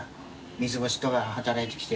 三つ星とかで働いてきて。